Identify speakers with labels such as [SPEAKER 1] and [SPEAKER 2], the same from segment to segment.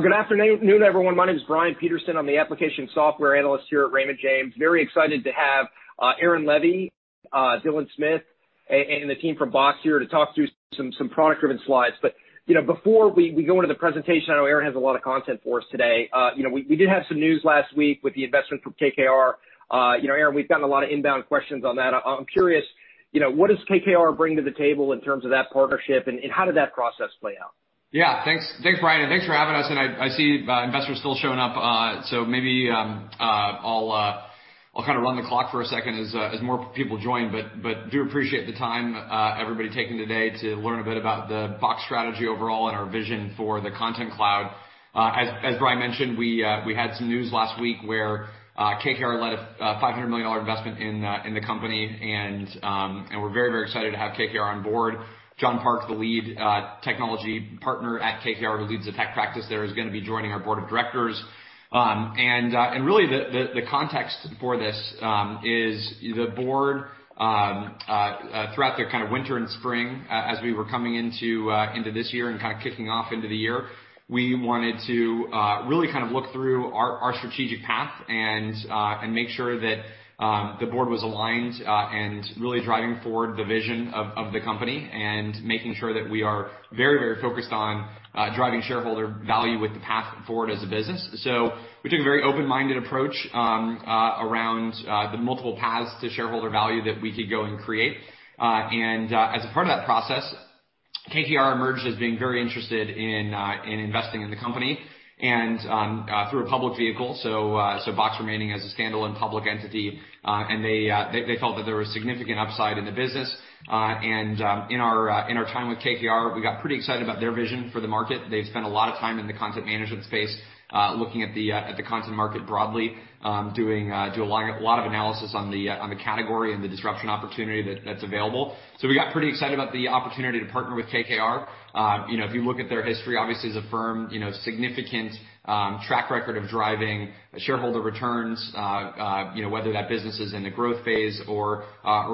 [SPEAKER 1] Good afternoon, everyone. My name is Brian Peterson. I'm the application software analyst here at Raymond James. Very excited to have Aaron Levie, Dylan Smith, and the team from Box here to talk through some product-driven slides. Before we go into the presentation, I know Aaron has a lot of content for us today. We did have some news last week with the investment from KKR. Aaron, we've gotten a lot of inbound questions on that. I'm curious, what does KKR bring to the table in terms of that partnership, and how did that process play out?
[SPEAKER 2] Yeah. Thanks, Brian, and thanks for having us in. I see investors still showing up, maybe I'll run the clock for a second as more people join, but do appreciate the time everybody taking today to learn a bit about the Box strategy overall and our vision for the Content Cloud. As Brian mentioned, we had some news last week where KKR led a $500 million investment in the company, and we're very excited to have KKR on board. John Park, the lead technology partner at KKR who leads the tech practice there, is going to be joining our board of directors. Really, the context for this is the board, throughout their winter and spring, as we were coming into this year and kicking off into the year, we wanted to really kind of look through our strategic path and make sure that the board was aligned and really driving forward the vision of the company and making sure that we are very focused on driving shareholder value with the path forward as a business. We took a very open-minded approach around the multiple paths to shareholder value that we could go and create. As a part of that process, KKR emerged as being very interested in investing in the company and through a public vehicle, so Box remaining as a standalone public entity. They felt that there was significant upside in the business. In our time with KKR, we got pretty excited about their vision for the market. They've spent a lot of time in the content management space, looking at the content market broadly, doing a lot of analysis on the category and the disruption opportunity that's available. We got pretty excited about the opportunity to partner with KKR. If you look at their history, obviously, as a firm, significant track record of driving shareholder returns, whether that business is in the growth phase or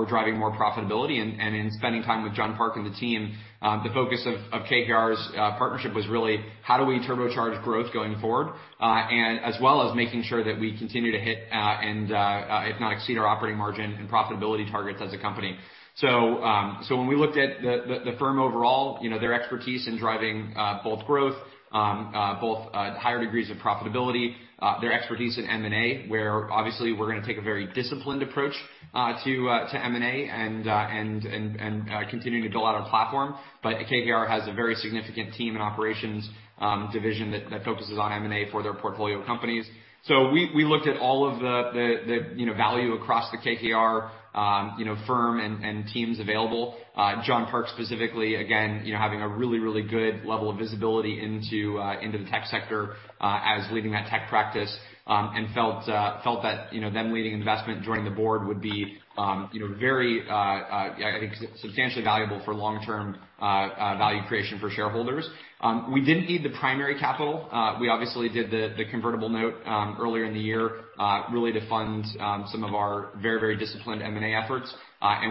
[SPEAKER 2] driving more profitability. In spending time with John Park and the team, the focus of KKR's partnership was really how do we turbocharge growth going forward, and as well as making sure that we continue to hit and if not exceed our operating margin and profitability targets as a company. When we looked at the firm overall, you know, their expertise in driving both growth, both at higher degrees of profitability, their expertise in M&A, where obviously we're going to take a very disciplined approach to M&A and continuing to build out our platform, but KKR has a very significant team and operations division that focuses on M&A for their portfolio companies. We looked at all of the value across the KKR, you know, firm and teams available. John Park specifically, again, having a really good level of visibility into the tech sector as leading that tech practice, and felt that, you know, them leading investment and joining the board would be very, I think, substantially valuable for long-term value creation for shareholders. We didn't need the primary capital. We obviously did the convertible note earlier in the year really to fund some of our very disciplined M&A efforts.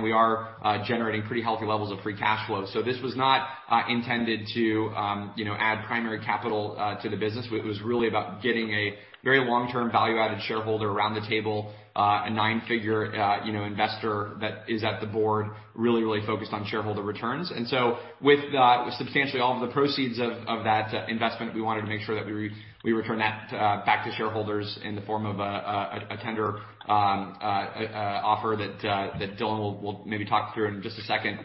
[SPEAKER 2] We are generating pretty healthy levels of free cash flow. This was not intended to, you know, add primary capital to the business. It was really about getting a very long-term value-added shareholder around the table, a nine-figure investor that is at the board, really focused on shareholder returns. With substantially all of the proceeds of that investment, we wanted to make sure that we return that back to shareholders in the form of a tender offer that Dylan will maybe talk through in just a second.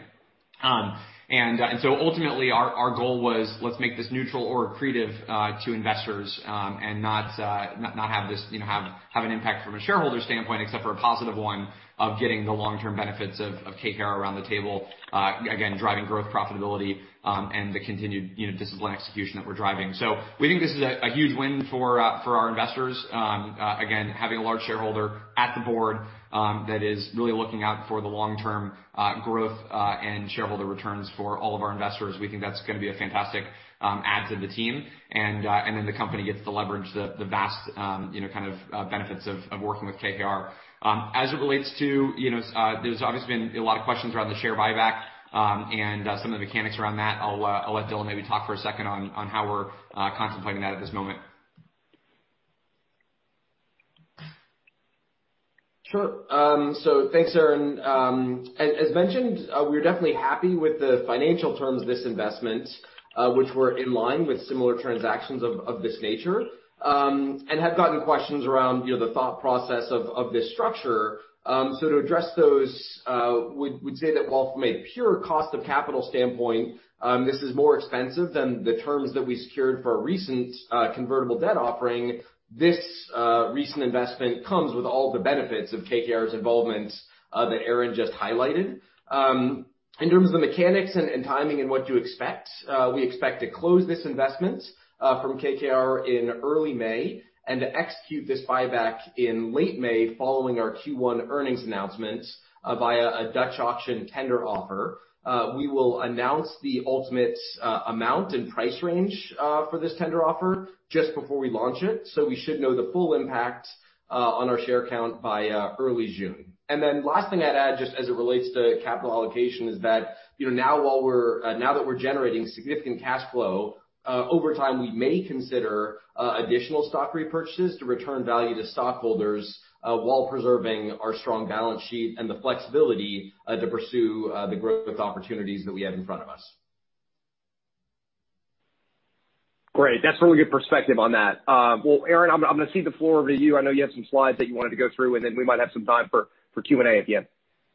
[SPEAKER 2] Ultimately, our goal was let's make this neutral or accretive to investors, and not have an impact from a shareholder standpoint, except for a positive one of getting the long-term benefits of KKR around the table, again, driving growth profitability, and the continued, you know, disciplined execution that we're driving. We think this is a huge win for our investors. Again, having a large shareholder at the board that is really looking out for the long-term growth and shareholder returns for all of our investors, we think that's going to be a fantastic add to the team. The company gets to leverage the vast, you know, kind of benefits of working with KKR. As it relates to, you know, there's obviously been a lot of questions around the share buyback, and some of the mechanics around that, I'll let Dylan maybe talk for a second on how we're contemplating that at this moment.
[SPEAKER 3] Sure. Thanks, Aaron. As mentioned, we're definitely happy with the financial terms of this investment, which were in line with similar transactions of this nature, and have gotten questions around the thought process of this structure. To address those, we'd say that while from a pure cost of capital standpoint, this is more expensive than the terms that we secured for a recent convertible debt offering, this recent investment comes with all the benefits of KKR's involvement that Aaron just highlighted. In terms of the mechanics and timing and what to expect, we expect to close this investment from KKR in early May and to execute this buyback in late May following our Q1 earnings announcement via a Dutch auction tender offer. We will announce the ultimate amount and price range for this tender offer just before we launch it, so we should know the full impact on our share count by early June. Last thing I'd add, just as it relates to capital allocation, is that now that we're generating significant cash flow, over time, we may consider additional stock repurchases to return value to stockholders while preserving our strong balance sheet and the flexibility to pursue the growth opportunities that we have in front of us.
[SPEAKER 1] Great. That's a really good perspective on that. Well, Aaron, I'm going to cede the floor over to you. I know you have some slides that you wanted to go through, and then we might have some time for Q&A at the end.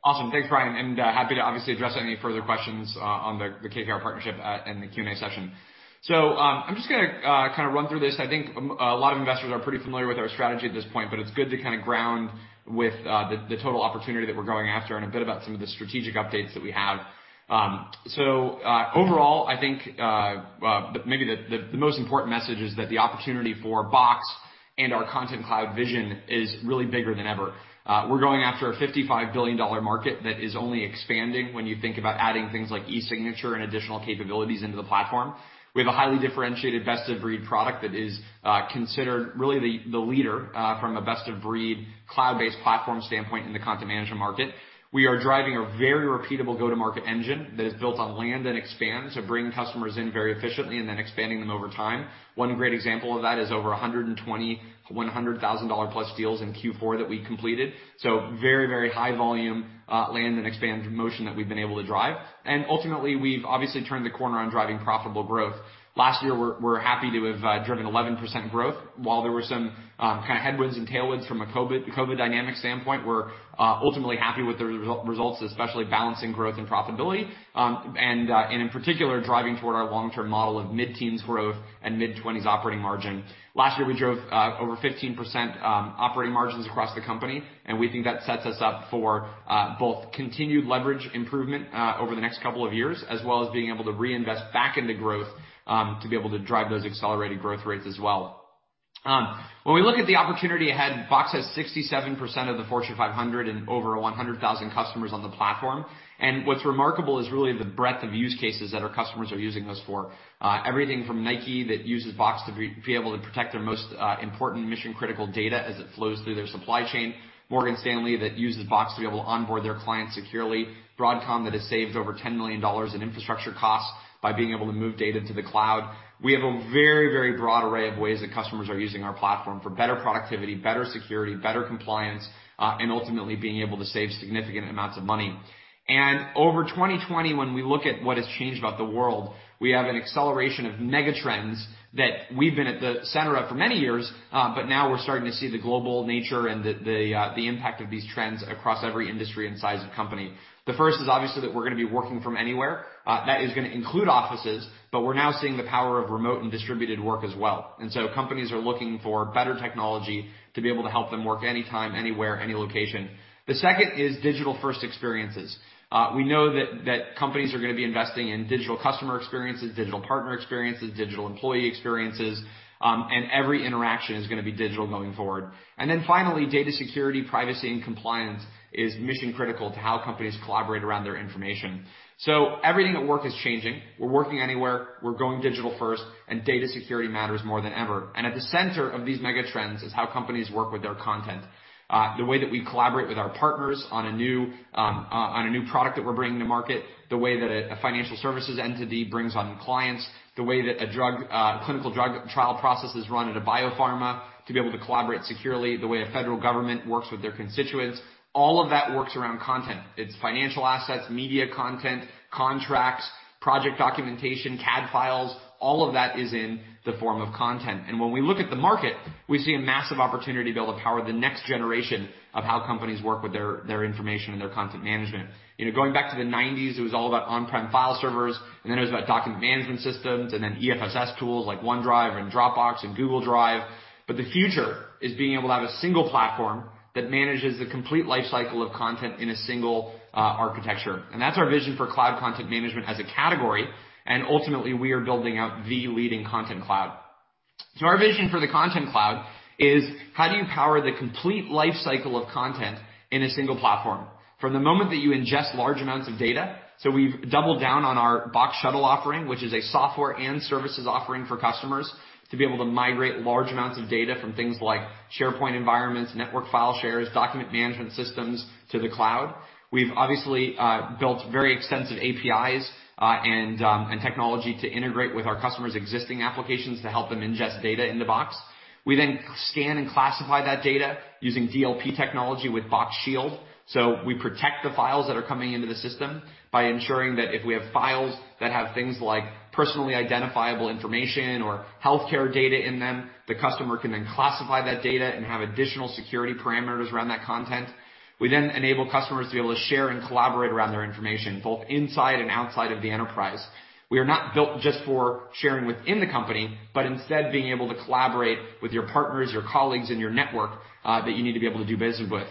[SPEAKER 2] Awesome. Thanks, Brian, and happy to obviously address any further questions on the KKR partnership in the Q&A session. I'm just going to run through this. I think a lot of investors are pretty familiar with our strategy at this point, but it's good to ground with the total opportunity that we're going after and a bit about some of the strategic updates that we have. Overall, I think maybe the most important message is that the opportunity for Box and our Content Cloud vision is really bigger than ever. We're going after a $55 billion market that is only expanding when you think about adding things like e-signature and additional capabilities into the platform. We have a highly differentiated best-of-breed product that is considered really the leader from a best-of-breed cloud-based platform standpoint in the content management market. We are driving a very repeatable go-to-market engine that is built on land and expand, bringing customers in very efficiently and then expanding them over time. One great example of that is over $100,000-plus deals in Q4 that we completed. Very high volume land and expand motion that we've been able to drive. Ultimately, we've obviously turned the corner on driving profitable growth. Last year, we're happy to have driven 11% growth. While there were some kind of headwinds and tailwinds from a COVID dynamic standpoint, we're ultimately happy with the results, especially balancing growth and profitability, and in particular, driving toward our long-term model of mid-teens growth and mid-20s operating margin. Last year, we drove over 15% operating margins across the company. We think that sets us up for both continued leverage improvement over the next couple of years, as well as being able to reinvest back into growth to be able to drive those accelerated growth rates as well. When we look at the opportunity ahead, Box has 67% of the Fortune 500 and over 100,000 customers on the platform. What's remarkable is really the breadth of use cases that our customers are using us for. Everything from Nike that uses Box to be able to protect their most important mission-critical data as it flows through their supply chain. Morgan Stanley that uses Box to be able to onboard their clients securely. Broadcom that has saved over $10 million in infrastructure costs by being able to move data to the cloud. We have a very broad array of ways that customers are using our platform for better productivity, better security, better compliance, and ultimately being able to save significant amounts of money. Over 2021, when we look at what has changed about the world, we have an acceleration of mega trends that we've been at the center of for many years, but now we're starting to see the global nature and the impact of these trends across every industry and size of company. The first is obviously that we're going to be working from anywhere. That is going to include offices, but we're now seeing the power of remote and distributed work as well. So companies are looking for better technology to be able to help them work anytime, anywhere, any location. The second is digital-first experiences. We know that companies are going to be investing in digital customer experiences, digital partner experiences, digital employee experiences, and every interaction is going to be digital going forward. Finally, data security, privacy, and compliance is mission-critical to how companies collaborate around their information. Everything at work is changing. We're working anywhere, we're going digital first, and data security matters more than ever. At the center of these mega trends is how companies work with their content, the way that we collaborate with our partners on a new product that we're bringing to market, the way that a financial services entity brings on clients, the way that a clinical drug trial process is run at a biopharma to be able to collaborate securely, the way a federal government works with their constituents, all of that works around content. It's financial assets, media content, contracts, project documentation, CAD files, all of that is in the form of content. When we look at the market, we see a massive opportunity to be able to power the next generation of how companies work with their information and their content management. Going back to the '90s, it was all about on-prem file servers, and then it was about document management systems, and then EFSS tools like OneDrive and Dropbox and Google Drive. The future is being able to have a single platform that manages the complete life cycle of content in a single architecture. That's our vision for cloud content management as a category. Ultimately, we are building out the leading Content Cloud. Our vision for the Content Cloud is how do you power the complete life cycle of content in a single platform? From the moment that you ingest large amounts of data, we've doubled down on our Box Shuttle offering, which is a software and services offering for customers to be able to migrate large amounts of data from things like SharePoint environments, network file shares, document management systems to the cloud. We've obviously built very extensive APIs and technology to integrate with our customers' existing applications to help them ingest data into Box. We scan and classify that data using DLP technology with Box Shield. We protect the files that are coming into the system by ensuring that if we have files that have things like personally identifiable information or healthcare data in them, the customer can then classify that data and have additional security parameters around that content. We then enable customers to be able to share and collaborate around their information, both inside and outside of the enterprise. We are not built just for sharing within the company, but instead being able to collaborate with your partners, your colleagues, and your network that you need to be able to do business with.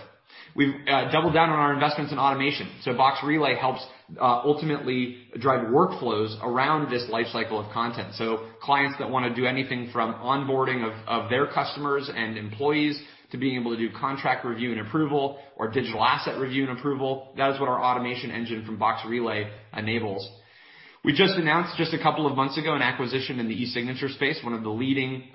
[SPEAKER 2] We've doubled down on our investments in automation. Box Relay helps ultimately drive workflows around this life cycle of content. Clients that want to do anything from onboarding of their customers and employees to being able to do contract review and approval or digital asset review and approval, that is what our automation engine from Box Relay enables. We just announced just a couple of months ago, an acquisition in the e-signature space, one of the leading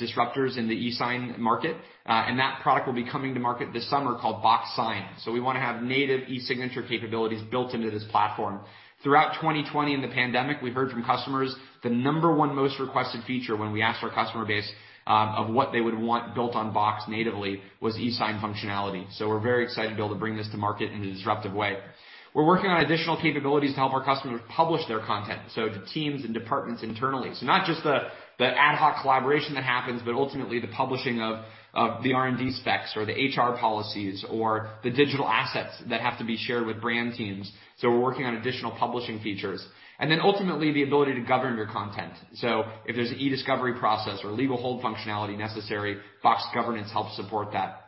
[SPEAKER 2] disruptors in the e-sign market, and that product will be coming to market this summer, called Box Sign. We want to have native e-signature capabilities built into this platform. Throughout 2020 and the pandemic, we've heard from customers, the number one most requested feature when we asked our customer base of what they would want built on Box natively was e-sign functionality. We're very excited to be able to bring this to market in a disruptive way. We're working on additional capabilities to help our customers publish their content, so to teams and departments internally. Not just the ad hoc collaboration that happens, but ultimately the publishing of the R&D specs or the HR policies or the digital assets that have to be shared with brand teams. We're working on additional publishing features. Then, ultimately the ability to govern your content. If there's e-discovery process or legal hold functionality necessary, Box Governance helps support that.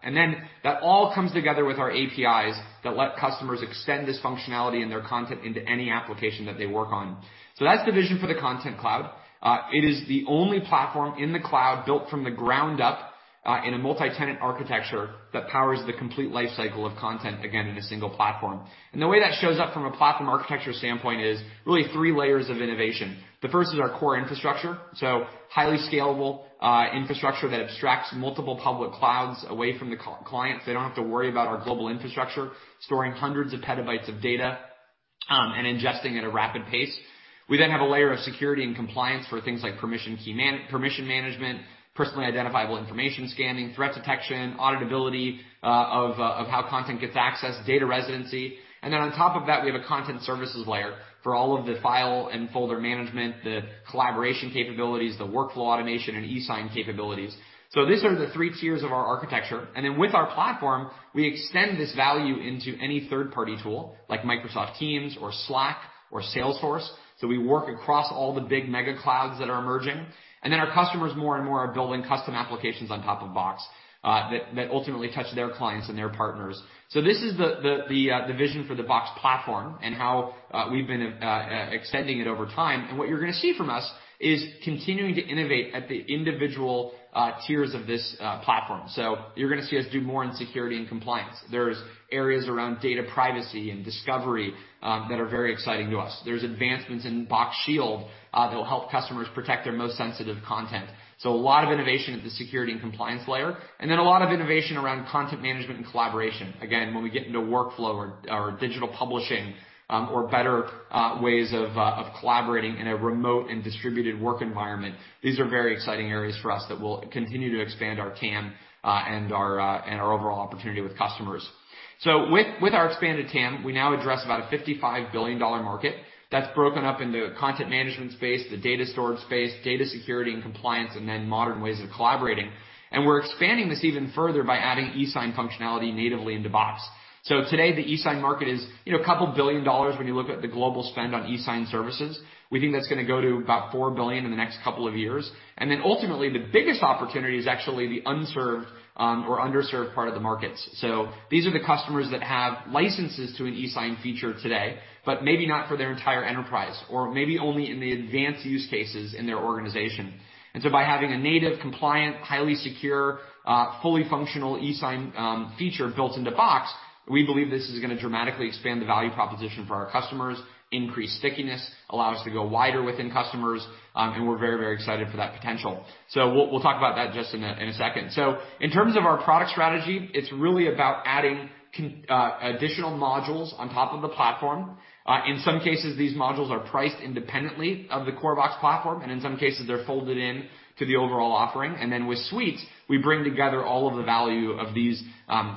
[SPEAKER 2] That all comes together with our APIs that let customers extend this functionality and their content into any application that they work on. That's the vision for the Content Cloud. It is the only platform in the cloud built from the ground up, in a multi-tenant architecture that powers the complete life cycle of content, again, in a single platform. The way that shows up from a platform architecture standpoint is really three layers of innovation. The first is our core infrastructure, so highly scalable infrastructure that abstracts multiple public clouds away from the client, so they don't have to worry about our global infrastructure, storing hundreds of petabytes of data, and ingesting at a rapid pace. We then have a layer of security and compliance for things like permission management, personally identifiable information scanning, threat detection, auditability of how content gets accessed, data residency. On top of that, we have a content services layer for all of the file and folder management, the collaboration capabilities, the workflow automation, and e-sign capabilities. These are the three tiers of our architecture. With our platform, we extend this value into any third-party tool like Microsoft Teams or Slack or Salesforce. We work across all the big mega clouds that are emerging, and then our customers more and more are building custom applications on top of Box, that ultimately touch their clients and their partners. This is the vision for the Box platform and how we've been extending it over time. What you're going to see from us is continuing to innovate at the individual tiers of this platform. You're going to see us do more in security and compliance. There's areas around data privacy and discovery, that are very exciting to us. There's advancements in Box Shield, that'll help customers protect their most sensitive content. A lot of innovation at the security and compliance layer, and then a lot of innovation around content management and collaboration. Again, when we get into workflow or digital publishing, or better ways of collaborating in a remote and distributed work environment, these are very exciting areas for us that will continue to expand our TAM and our overall opportunity with customers. With our expanded TAM, we now address about a $55 billion market that's broken up into content management space, the data storage space, data security and compliance, and then modern ways of collaborating. We're expanding this even further by adding e-sign functionality natively into Box. Today, the e-sign market is a couple billion dollars, when you look at the global spend on e-sign services. We think that's going to go to about $4 billion in the next couple of years and then ultimately, the biggest opportunity is actually the unserved, or underserved part of the markets. These are the customers that have licenses to an e-sign feature today, but maybe not for their entire enterprise, or maybe only in the advanced use cases in their organization. By having a native, compliant, highly secure, fully functional e-sign feature built into Box, we believe this is going to dramatically expand the value proposition for our customers, increase stickiness, allow us to go wider within customers, and we're very excited for that potential. We'll talk about that just in a second. In terms of our product strategy, it's really about adding additional modules on top of the platform. In some cases, these modules are priced independently of the core Box platform, and in some cases, they're folded into the overall offering. With Box Suites, we bring together all of the value of these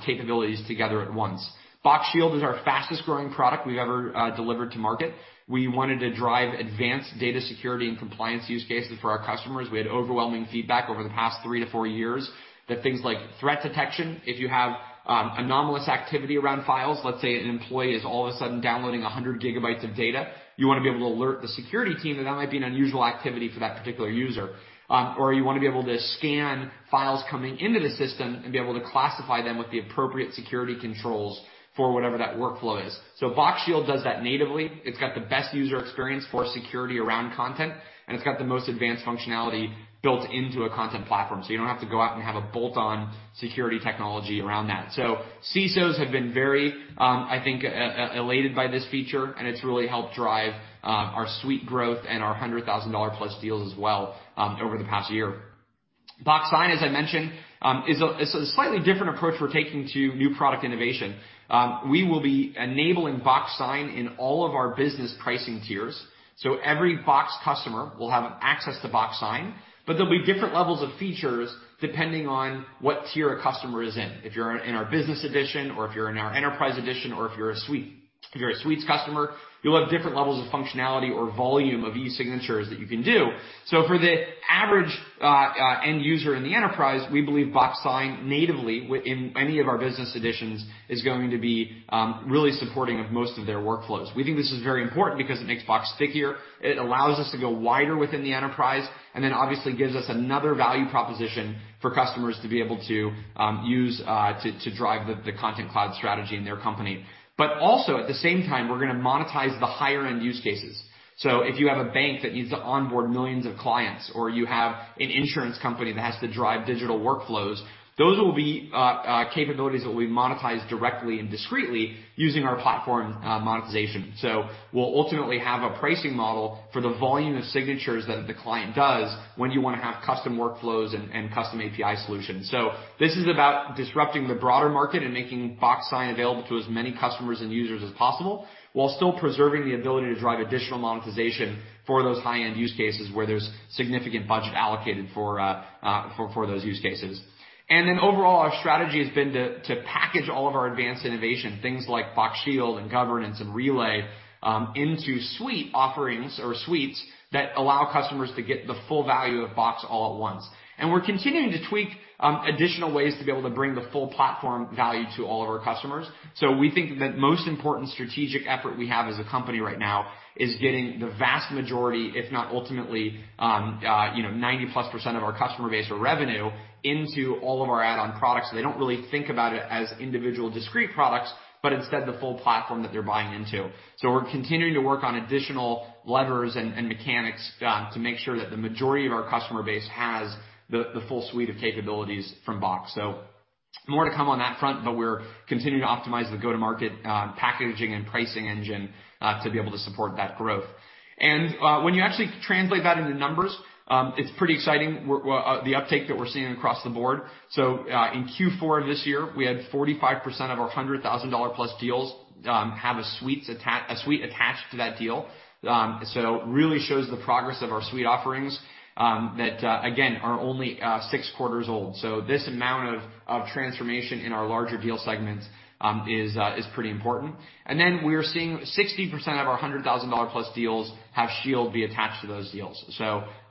[SPEAKER 2] capabilities together at once. Box Shield is our fastest-growing product we've ever delivered to market. We wanted to drive advanced data security and compliance use cases for our customers. We had overwhelming feedback over the past three to four years that things like threat detection, if you have anomalous activity around files, let's say an employee is all of a sudden downloading 100 GB of data, you want to be able to alert the security team that that might be an unusual activity for that particular user. You want to be able to scan files coming into the system and be able to classify them with the appropriate security controls for whatever that workflow is. Box Shield does that natively. It's got the best user experience for security around content, and it's got the most advanced functionality built into a content platform, so you don't have to go out and have a bolt-on security technology around that. CISOs have been very, I think, elated by this feature, and it's really helped drive our Suite growth and our $100,000-plus deals as well over the past year. Box Sign, as I mentioned, is a slightly different approach we're taking to new product innovation. We will be enabling Box Sign in all of our business pricing tiers, so every Box customer will have access to Box Sign, but there'll be different levels of features depending on what tier a customer is in. If you're in our business edition or if you're in our enterprise edition or if you're a Suites customer, you'll have different levels of functionality or volume of e-signatures that you can do. For the average end user in the enterprise, we believe Box Sign natively in any of our business editions is going to be really supporting of most of their workflows. We think this is very important because it makes Box stickier, it allows us to go wider within the enterprise, and then obviously gives us another value proposition for customers to be able to use to drive the Content Cloud strategy in their company. Also at the same time, we're going to monetize the higher-end use cases. If you have a bank that needs to onboard millions of clients, or you have an insurance company that has to drive digital workflows, those will be capabilities that we monetize directly and discreetly using our platform monetization. We'll ultimately have a pricing model for the volume of signatures that the client does when you want to have custom workflows and custom API solutions. This is about disrupting the broader market and making Box Sign available to as many customers and users as possible while still preserving the ability to drive additional monetization for those high-end use cases where there's significant budget allocated for those use cases. Overall, our strategy has been to package all of our advanced innovation, things like Box Shield and Governance and Relay, into suite offerings or suites that allow customers to get the full value of Box all at once. We're continuing to tweak additional ways to be able to bring the full platform value to all of our customers. We think that the most important strategic effort we have as a company right now is getting the vast majority, if not ultimately, 90%+ of our customer base or revenue into all of our add-on products. They don't really think about it as individual discrete products, but instead the full platform that they're buying into. We're continuing to work on additional levers and mechanics to make sure that the majority of our customer base has the full suite of capabilities from Box. More to come on that front, but we're continuing to optimize the go-to-market packaging and pricing engine to be able to support that growth. When you actually translate that into numbers, it's pretty exciting, the uptake that we're seeing across the board. In Q4 of this year, we had 45% of our $100,000-plus deals have a Suite attached to that deal. Really shows the progress of our Suite offerings, that again, are only six quarters old. This amount of transformation in our larger deal segments is pretty important. We're seeing 60% of our $100,000-plus deals have Box Shield be attached to those deals.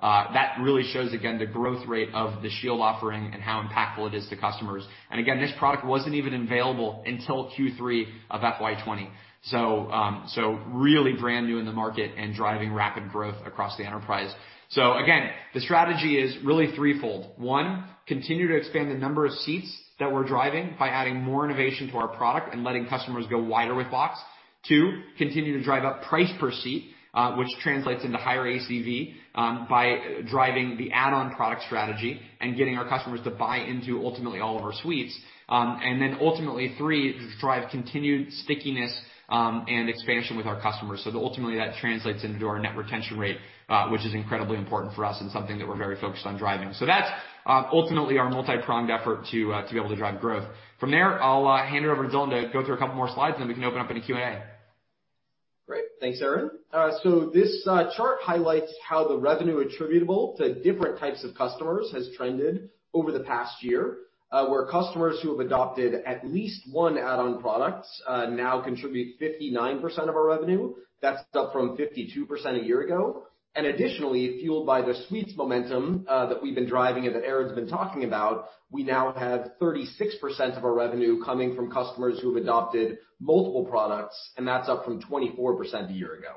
[SPEAKER 2] That really shows, again, the growth rate of the Box Shield offering and how impactful it is to customers. Again, this product wasn't even available until Q3 of FY 2020. Really brand new in the market and driving rapid growth across the enterprise. Again, the strategy is really threefold. One, continue to expand the number of seats that we're driving by adding more innovation to our product and letting customers go wider with Box. Two, continue to drive up price per seat, which translates into higher ACV by driving the add-on product strategy and getting our customers to buy into, ultimately, all of our suites. Ultimately, three, drive continued stickiness and expansion with our customers. Ultimately that translates into our net retention rate, which is incredibly important for us and something that we're very focused on driving. That's ultimately our multi-pronged effort to be able to drive growth. From there, I'll hand it over to Dylan to go through a couple more slides, and then we can open up into Q&A.
[SPEAKER 3] Great. Thanks, Aaron. This chart highlights how the revenue attributable to different types of customers has trended over the past year, where customers who have adopted at least one add-on product now contribute 59% of our revenue. That's up from 52% a year ago. Additionally, fueled by the suites momentum that we've been driving and that Aaron's been talking about, we now have 36% of our revenue coming from customers who've adopted multiple products, and that's up from 24% a year ago.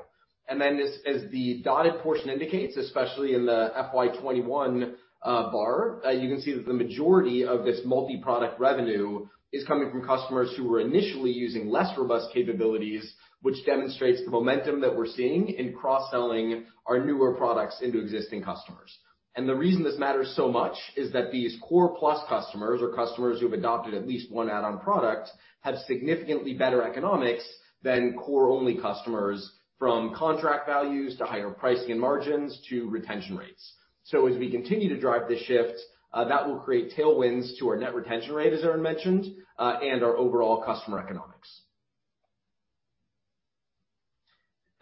[SPEAKER 3] Then, as the dotted portion indicates, especially in the FY 2021 bar, you can see that the majority of this multi-product revenue is coming from customers who were initially using less robust capabilities, which demonstrates the momentum that we're seeing in cross-selling our newer products into existing customers. The reason this matters so much is that these core plus customers or customers who have adopted at least one add-on product have significantly better economics than core-only customers, from contract values to higher pricing and margins to retention rates. As we continue to drive this shift, that will create tailwinds to our net retention rate, as Aaron mentioned, and our overall customer economics.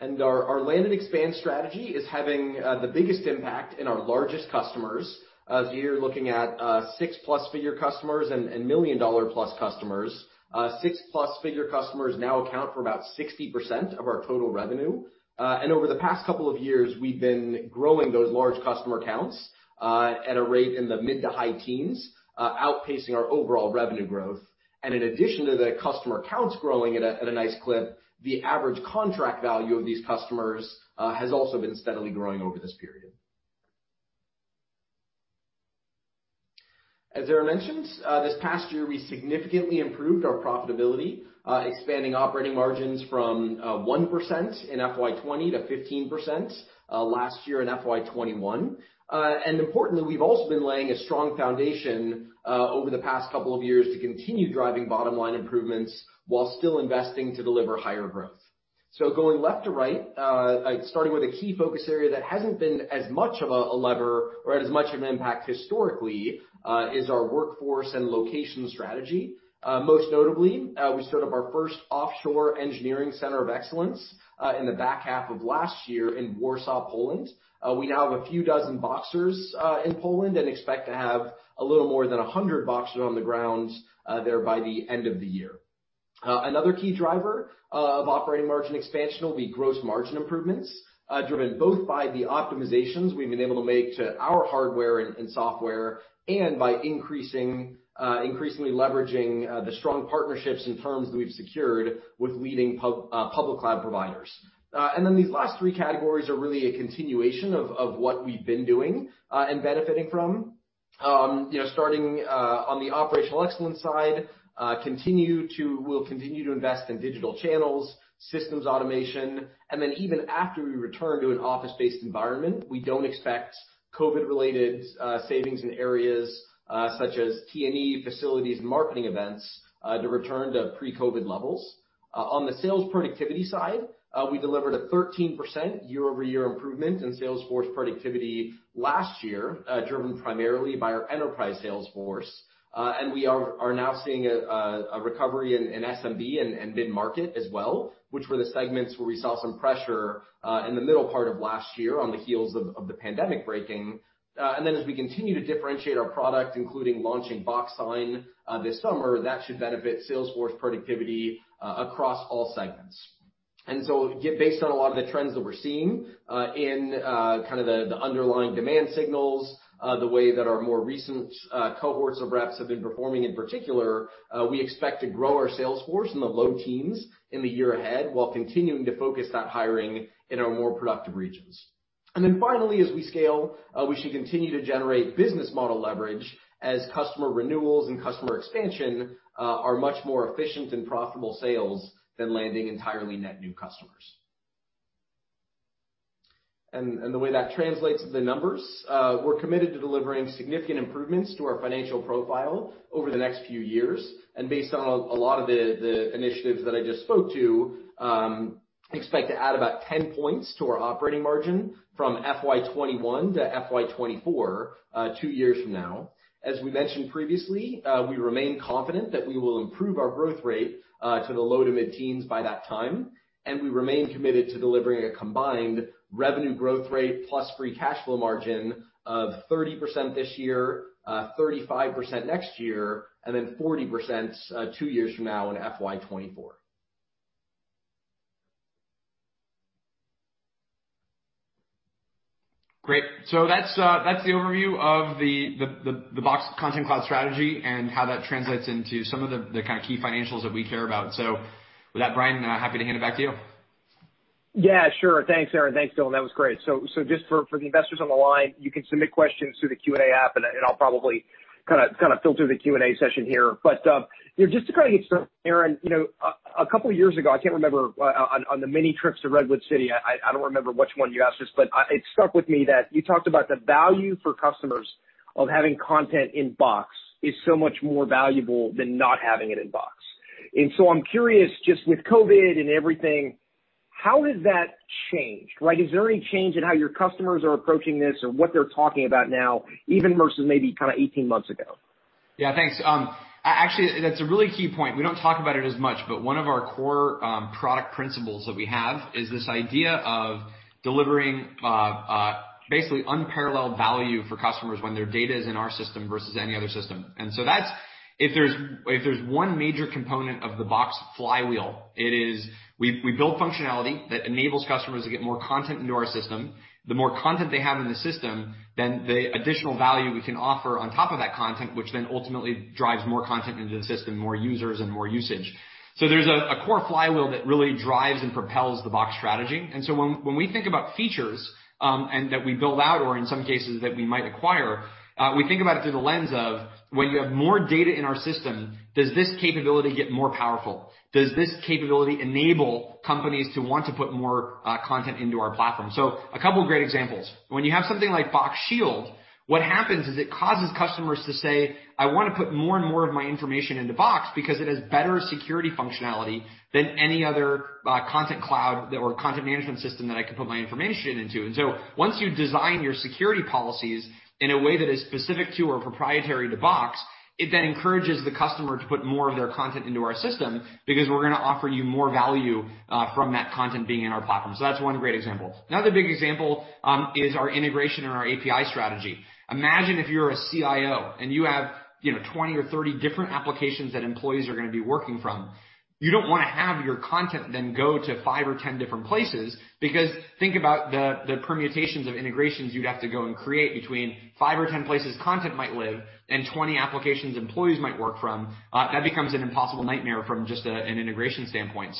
[SPEAKER 3] Our land and expand strategy is having the biggest impact in our largest customers. As you're looking at 6-plus figure customers and $1 million-plus customers. 6-plus figure customers now account for about 60% of our total revenue. Over the past couple of years, we've been growing those large customer counts at a rate in the mid-to-high teens, outpacing our overall revenue growth. In addition to the customer counts growing at a nice clip, the average contract value of these customers has also been steadily growing over this period. As Aaron mentioned, this past year, we significantly improved our profitability, expanding operating margins from 1% in FY 2020 to 15% last year in FY 2021. Importantly, we've also been laying a strong foundation over the past couple of years to continue driving bottom-line improvements while still investing to deliver higher growth. Going left to right, starting with a key focus area that hasn't been as much of a lever or had as much of an impact historically, is our workforce and location strategy. Most notably, we stood up our first offshore engineering center of excellence in the back half of last year in Warsaw, Poland. We now have a few dozen Boxers in Poland and expect to have a little more than 100 Boxers on the ground there by the end of the year. Another key driver of operating margin expansion will be gross margin improvements, driven both by the optimizations we've been able to make to our hardware and software and by increasingly leveraging the strong partnerships and terms that we've secured with leading public cloud providers. These last three categories are really a continuation of what we've been doing and benefiting from. Starting on the operational excellence side, we'll continue to invest in digital channels, systems automation, and even after we return to an office-based environment, we don't expect COVID-related savings in areas such as T&E, facilities, and marketing events to return to pre-COVID levels. On the sales productivity side, we delivered a 13% year-over-year improvement in sales force productivity last year, driven primarily by our enterprise sales force. We are now seeing a recovery in SMB and mid-market as well, which were the segments where we saw some pressure in the middle part of last year on the heels of the pandemic breaking. As we continue to differentiate our product, including launching Box Sign this summer, that should benefit sales force productivity across all segments. Based on a lot of the trends that we're seeing in kind of the underlying demand signals, the way that our more recent cohorts of reps have been performing in particular, we expect to grow our sales force in the low teens in the year ahead, while continuing to focus that hiring in our more productive regions. Finally, as we scale, we should continue to generate business model leverage as customer renewals and customer expansion are much more efficient and profitable sales than landing entirely net new customers. The way that translates to the numbers, we're committed to delivering significant improvements to our financial profile over the next few years. Based on a lot of the initiatives that I just spoke to, expect to add about 10 points to our operating margin from FY 2021 to FY 2024, two years from now. As we mentioned previously, we remain confident that we will improve our growth rate to the low to mid-teens by that time, and we remain committed to delivering a combined revenue growth rate plus free cash flow margin of 30% this year, 35% next year, and then 40% two years from now in FY 2024.
[SPEAKER 2] Great. That's the overview of the Box Content Cloud strategy and how that translates into some of the key financials that we care about. With that, Brian, happy to hand it back to you.
[SPEAKER 1] Yeah, sure. Thanks, Aaron. Thanks, Dylan. That was great. Just for the investors on the line, you can submit questions through the Q&A app, and I'll probably kind of filter the Q&A session here. Just to kind of get started, Aaron, a couple of years ago, I can't remember on the many trips to Redwood City, I don't remember which one you asked this, but it stuck with me that you talked about the value for customers of having content in Box is so much more valuable than not having it in Box. I'm curious, just with COVID and everything, how has that changed? Is there any change in how your customers are approaching this or what they're talking about now, even versus maybe kind of 18 months ago?
[SPEAKER 2] Yeah, thanks. Actually, that's a really key point. We don't talk about it as much, but one of our core product principles that we have is this idea of delivering basically unparalleled value for customers when their data is in our system versus any other system. If there's one major component of the Box flywheel, it is we build functionality that enables customers to get more content into our system. The more content they have in the system, then the additional value we can offer on top of that content, which then ultimately drives more content into the system, more users and more usage. There's a core flywheel that really drives and propels the Box strategy. When we think about features that we build out or in some cases that we might acquire, we think about it through the lens of when you have more data in our system, does this capability get more powerful? Does this capability enable companies to want to put more content into our platform? A couple of great examples. When you have something like Box Shield, what happens is it causes customers to say, "I want to put more and more of my information into Box because it has better security functionality than any other content cloud or content management system that I could put my information into." Once you design your security policies in a way that is specific to or proprietary to Box, it then encourages the customer to put more of their content into our system because we're going to offer you more value from that content being in our platform. That's one great example. Another big example is our integration and our API strategy. Imagine if you're a CIO and you have 20 or 30 different applications that employees are going to be working from. You don't want to have your content then go to five or 10 different places, because think about the permutations of integrations you'd have to go and create between five or 10 places content might live and 20 applications employees might work from. That becomes an impossible nightmare from just an integration standpoint.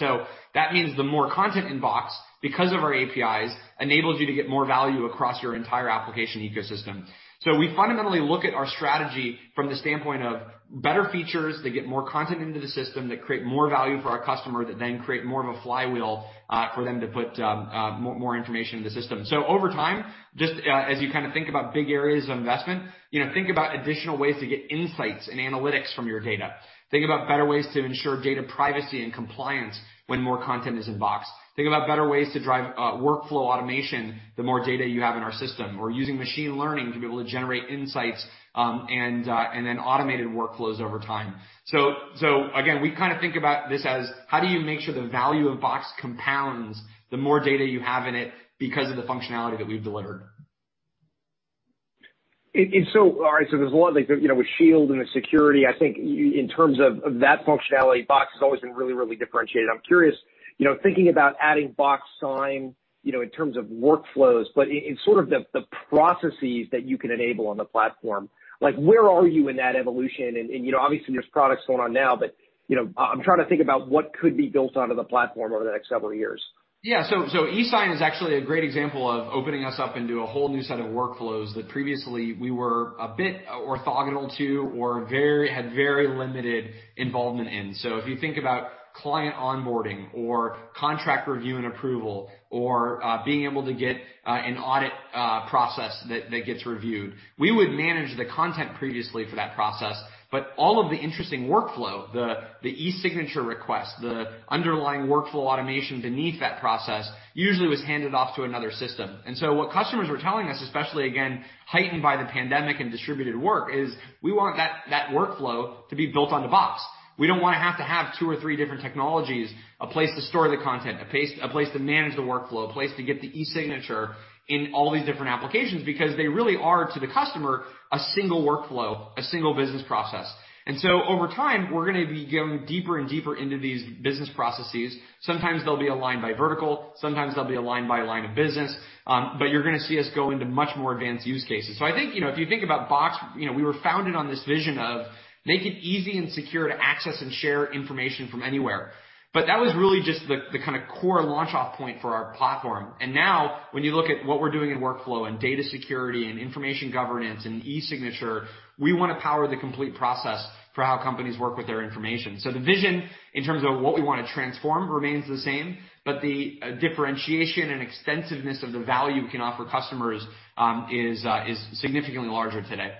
[SPEAKER 2] That means the more content in Box, because of our APIs, enables you to get more value across your entire application ecosystem. We fundamentally look at our strategy from the standpoint of better features that get more content into the system, that create more value for our customer, that then create more of a flywheel for them to put more information in the system. Over time, just as you kind of think about big areas of investment, think about additional ways to get insights and analytics from your data. Think about better ways to ensure data privacy and compliance when more content is in Box. Think about better ways to drive workflow automation, the more data you have in our system, or using machine learning to be able to generate insights and then automated workflows over time. Again, we kind of think about this as how do you make sure the value of Box compounds, the more data you have in it because of the functionality that we've delivered.
[SPEAKER 1] All right. There's a lot there, with Shield and the security, I think in terms of that functionality, Box has always been really differentiated. I'm curious, you know, thinking about adding Box Sign in terms of workflows, but in sort of the processes that you can enable on the platform, but where are you in that evolution? Obviously there's products going on now, but you know, I'm trying to think about what could be built onto the platform over the next several years.
[SPEAKER 2] Yeah. E-ign is actually a great example of opening us up into a whole new set of workflows that previously we were a bit orthogonal to or had very limited involvement in. If you think about client onboarding or contract review and approval or being able to get an audit process that gets reviewed, we would manage the content previously for that process, but all of the interesting workflow, the e-signature request, the underlying workflow automation beneath that process usually was handed off to another system. What customers were telling us, especially again, heightened by the pandemic and distributed work, is we want that workflow to be built onto Box. We don't want to have to have two or three different technologies, a place to store the content, a place to manage the workflow, a place to get the e-signature in all these different applications because they really are, to the customer, a single workflow, a single business process. Over time, we're going to be going deeper and deeper into these business processes. Sometimes they'll be aligned by vertical, sometimes they'll be aligned by line of business, but you're going to see us go into much more advanced use cases. I think, if you think about Box, we were founded on this vision of make it easy and secure to access and share information from anywhere, but that was really just the kind of core launch-off point for our platform. Now, when you look at what we're doing in workflow and data security and information governance and e-signature, we want to power the complete process for how companies work with their information. The vision in terms of what we want to transform remains the same, but the differentiation and extensiveness of the value we can offer customers is significantly larger today.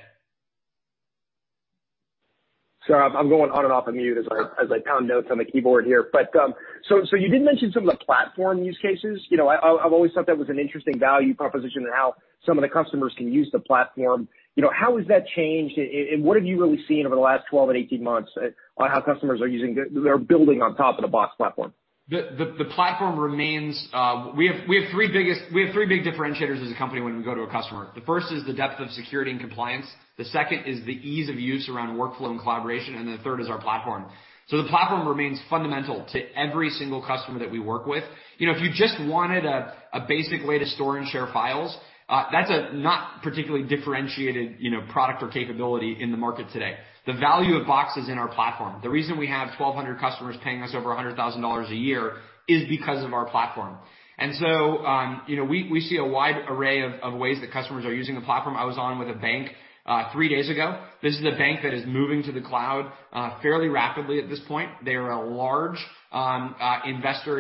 [SPEAKER 1] Sorry, I'm going on and off on mute as I pound notes on the keyboard here. You did mention some of the platform use cases. I've always thought that was an interesting value proposition and how some of the customers can use the platform. How has that changed and what have you really seen over the last 12 and 18 months on how customers are building on top of the Box platform?
[SPEAKER 2] We have three big differentiators as a company when we go to a customer. The first is the depth of security and compliance. The second is the ease of use around workflow and collaboration. Third is our platform. The platform remains fundamental to every single customer that we work with. If you just wanted a basic way to store and share files, that's a not particularly differentiated product or capability in the market today. The value of Box is in our platform. The reason we have 1,200 customers paying us over $100,000 a year is because of our platform. We see a wide array of ways that customers are using the platform. I was on with a bank three days ago. This is a bank that is moving to the cloud fairly rapidly at this point. They are a large investor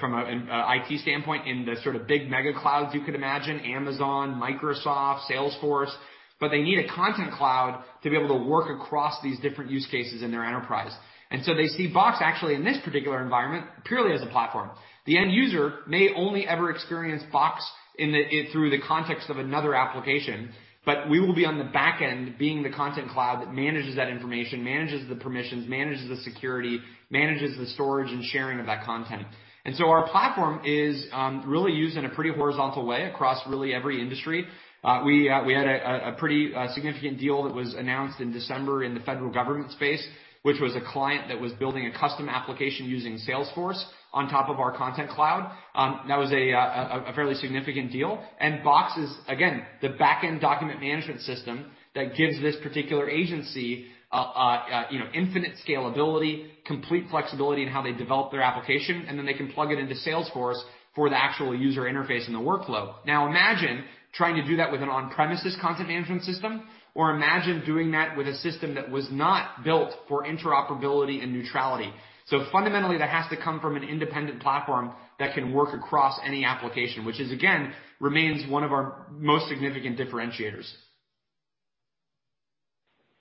[SPEAKER 2] from an IT standpoint in the sort of big mega clouds you could imagine, Amazon, Microsoft, Salesforce, but they need a Content Cloud to be able to work across these different use cases in their enterprise. They see Box actually in this particular environment purely as a platform. The end user may only ever experience Box through the context of another application, but we will be on the back end being the Content Cloud that manages that information, manages the permissions, manages the security, manages the storage and sharing of that content. Our platform is really used in a pretty horizontal way across really every industry. We had a pretty significant deal that was announced in December in the federal government space, which was a client that was building a custom application using Salesforce on top of our Content Cloud. That was a fairly significant deal. Box is again, the back-end document management system that gives this particular agency infinite scalability, complete flexibility in how they develop their application, and then they can plug it into sales force for the actual user interface and the workflow. Now, imagine trying to do that with an on-premises content management system or imagine doing that with a system that was not built for interoperability and neutrality. Fundamentally that has to come from an independent platform that can work across any application, which again, remains one of our most significant differentiators.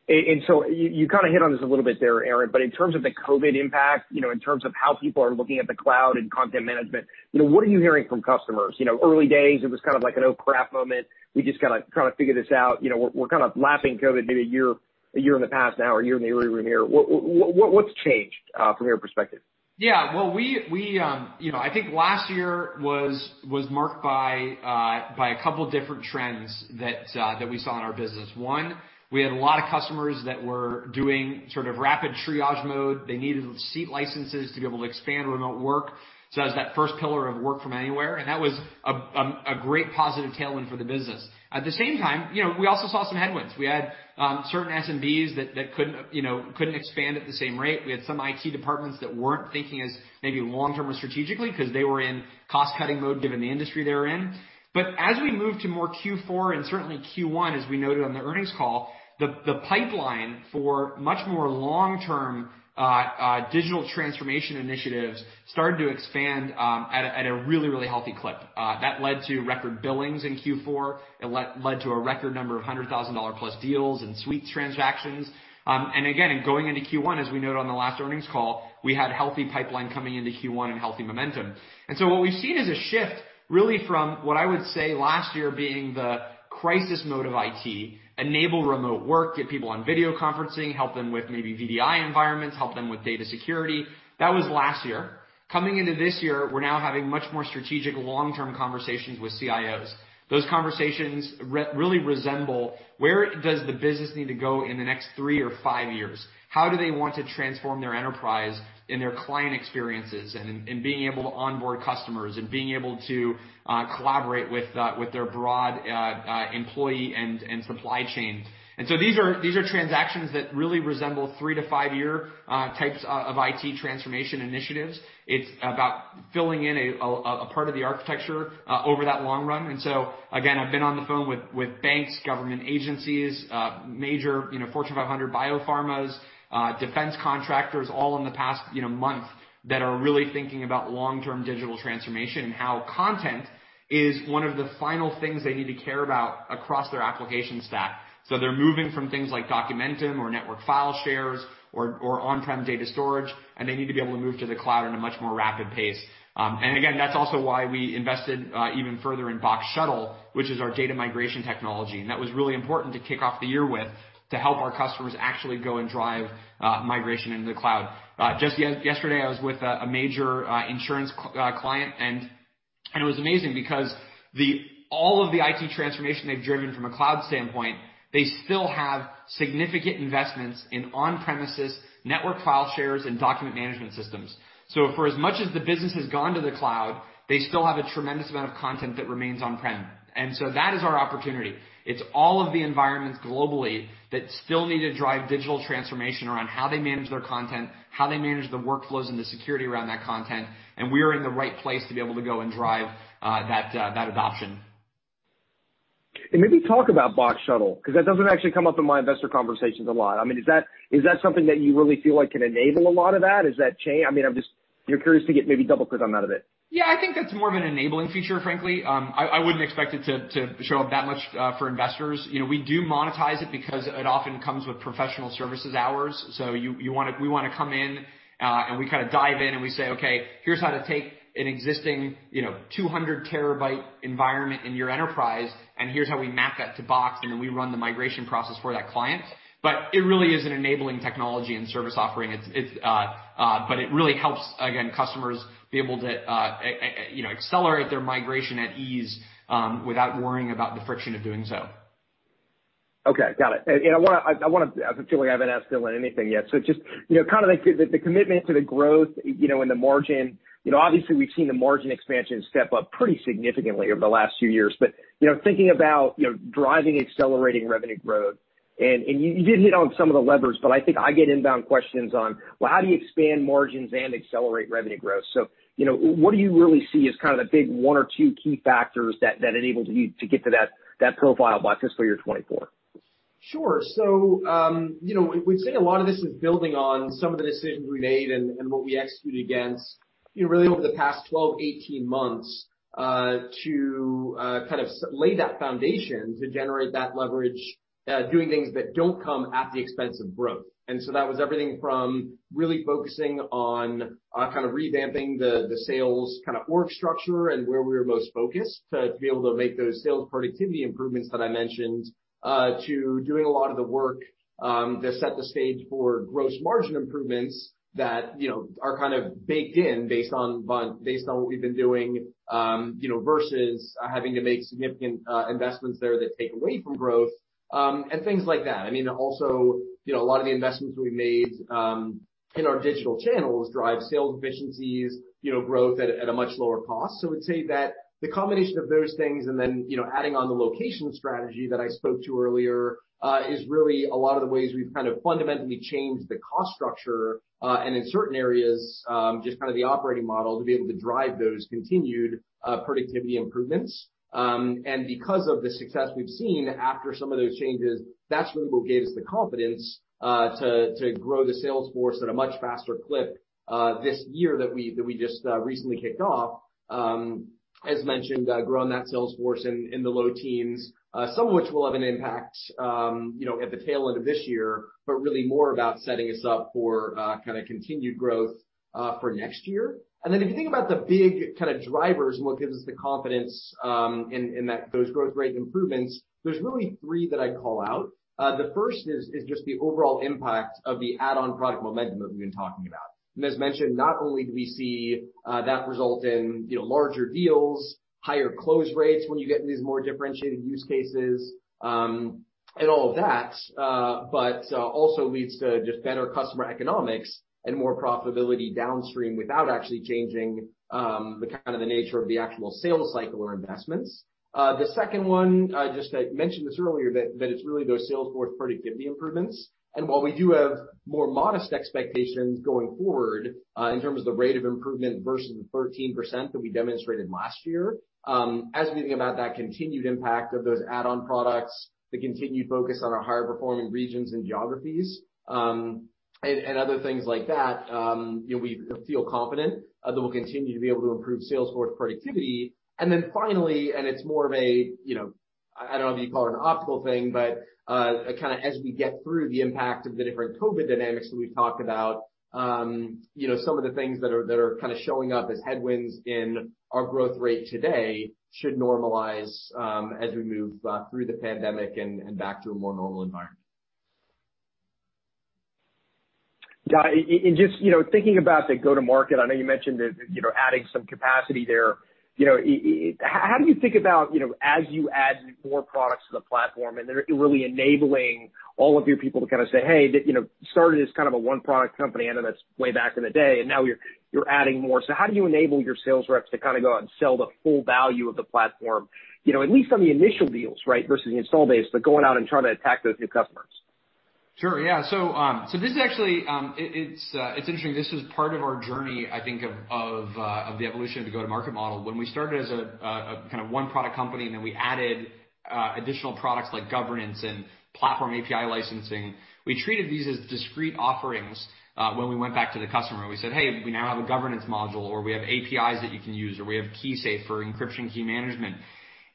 [SPEAKER 1] You kind of hit on this a little bit there, Aaron, but in terms of the COVID impact, you know, in terms of how people are looking at the cloud content management, what are you hearing from customers? Early days it was kind of like an "Oh crap" moment. We just got to kind of figure this out. We're kind of laughing COVID maybe a year in the past now or a year in the rearview mirror. What's changed from your perspective?
[SPEAKER 2] I think last year was marked by a couple of different trends that we saw in our business. One, we had a lot of customers that were doing sort of rapid triage mode. They needed seat licenses to be able to expand remote work. That was that first pillar of work from anywhere. That was a great positive tailwind for the business. At the same time, we also saw some headwinds. We had certain SMBs that couldn't expand at the same rate. We had some IT departments that weren't thinking as maybe long-term or strategically because they were in cost-cutting mode given the industry they were in. As we moved to more Q4 and certainly Q1 as we noted on the earnings call, the pipeline for much more long-term digital transformation initiatives started to expand at a really healthy clip. That led to record billings in Q4. It led to a record number of $100,000-plus deals and suite transactions. Again, going into Q1, as we noted on the last earnings call, we had healthy pipeline coming into Q1 and healthy momentum. What we've seen is a shift really from what I would say last year being the crisis mode of IT, enable remote work, get people on video conferencing, help them with maybe VDI environments, help them with data security. That was last year. Coming into this year, we're now having much more strategic long-term conversations with CIOs. Those conversations really resemble where does the business need to go in the next three or five years? How do they want to transform their enterprise and their client experiences and being able to onboard customers and being able to collaborate with their broad employee and supply chain? These are transactions that really resemble three to five-year types of IT transformation initiatives. It's about filling in a part of the architecture over that long run. Again, I've been on the phone with banks, government agencies, major Fortune 500 biopharmas, defense contractors all in the past, you know, month that are really thinking about long-term digital transformation and how content is one of the final things they need to care about across their application stack. They're moving from things like Documentum or network file shares or on-prem data storage, and they need to be able to move to the cloud in a much more rapid pace. Again, that's also why we invested even further in Box Shuttle, which is our data migration technology. That was really important to kick off the year with to help our customers actually go and drive migration into the cloud. Just yesterday I was with a major insurance client and it was amazing because all of the IT transformation they've driven from a cloud standpoint, they still have significant investments in on-premises network file shares and document management systems. For as much as the business has gone to the cloud, they still have a tremendous amount of content that remains on-prem. That is our opportunity. It's all of the environments globally that still need to drive digital transformation around how they manage their content, how they manage the workflows and the security around that content, and we are in the right place to be able to go and drive that adoption.
[SPEAKER 1] Maybe talk about Box Shuttle, because that doesn't actually come up in my investor conversations a lot. Is that something that you really feel like can enable a lot of that? You're curious to get maybe double click on that a bit.
[SPEAKER 2] Yeah, I think that's more of an enabling feature, frankly. I wouldn't expect it to show up that much for investors. We do monetize it because it often comes with professional services hours. We want to come in, and we kind of dive in and we say, "Okay, here's how to take an existing 200 terabyte environment in your enterprise, and here's how we map that to Box," and then we run the migration process for that client, but it really is an enabling technology and service offering. It really helps, again, customers be able to, you know, accelerate their migration at ease, without worrying about the friction of doing so.
[SPEAKER 1] Okay, got it. I feel like I haven't asked Dylan anything yet. Just the commitment to the growth and the margin. Obviously, we've seen the margin expansion step up pretty significantly over the last few years. Thinking about driving accelerating revenue growth, and you did hit on some of the levers, I think I get inbound questions on, well, how do you expand margins and accelerate revenue growth? What do you really see as the big one or two key factors that enables you to get to that profile by FY 2024?
[SPEAKER 3] Sure. We'd say a lot of this is building on some of the decisions we made and what we executed against really over the past 12, 18 months, to kind of lay that foundation to generate that leverage, doing things that don't come at the expense of growth. That was everything from really focusing on kind of revamping the sales, kind of org structure and where we were most focused to be able to make those sales productivity improvements that I mentioned, to doing a lot of the work, to set the stage for gross margin improvements that, you know, are kind of baked in based on what we've been doing, versus having to make significant investments there that take away from growth, and things like that. I mean also, a lot of the investments we made in our digital channels drive sales efficiencies, you know, growth at a much lower cost. I would say that the combination of those things and then, you know, adding on the location strategy that I spoke to earlier, is really a lot of the ways we've kind of fundamentally changed the cost structure, and in certain areas, just kind of the operating model to be able to drive those continued productivity improvements. Because of the success we've seen after some of those changes, that's really what gave us the confidence to grow the sales force at a much faster clip, this year that we just recently kicked off. As mentioned, growing that sales force in the low teens, some of which will have an impact, you know, at the tail end of this year, but really more about setting us up for kind of continued growth for next year. Then, if you think about the big kind of drivers and what gives us the confidence in those growth rate improvements, there's really three that I'd call out. The first is just the overall impact of the add-on product momentum that we've been talking about. As mentioned, not only do we see that result in larger deals, higher close rates when you get into these more differentiated use cases, and all of that, but also leads to just better customer economics and more profitability downstream without actually changing the nature of the actual sales cycle or investments. The second one, just I mentioned this earlier, that it's really those sales force productivity improvements. While we do have more modest expectations going forward, in terms of the rate of improvement versus the 13% that we demonstrated last year, as we think about that continued impact of those add-on products, the continued focus on our higher performing regions and geographies, and other things like that, we feel confident that we'll continue to be able to improve sales force productivity. Then finally, and it's more of a, I don't know if you'd call it an optical thing, but kind of as we get through the impact of the different COVID dynamics that we've talked about, some of the things that are kind of showing up as headwinds in our growth rate today should normalize, as we move through the pandemic and back to a more normal environment.
[SPEAKER 1] Got it. Just, you know, thinking about the go to market, I know you mentioned adding some capacity there. How do you think about as you add more products to the platform, and they're really enabling all of your people to kind of say, hey, started just kind of a one product company, I know that's way back in the day, and now you're adding more. How do you enable your sales reps to kind of go out and sell the full value of the platform, you know, at least on the initial deals, versus the install base, but going out and trying to attack those new customers?
[SPEAKER 2] Sure, yeah. This is actually interesting. This is part of our journey, I think of the evolution of the go-to-market model. When we started as a kind of one product company, then we added additional products like Governance and platform API licensing, we treated these as discrete offerings. When we went back to the customer, we said, "Hey, we now have a Governance module," or, "We have APIs that you can use," or, "We have KeySafe for encryption key management."